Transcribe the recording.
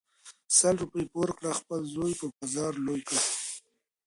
سل روپی پور کړه خپل زوی په بازار لوی کړه .